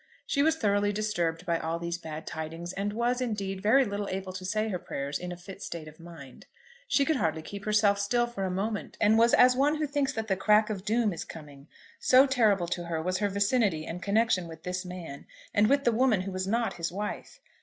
She was thoroughly disturbed by all these bad tidings, and was, indeed, very little able to say her prayers in a fit state of mind. She could hardly keep herself still for a moment, and was as one who thinks that the crack of doom is coming; so terrible to her was her vicinity and connection with this man, and with the woman who was not his wife.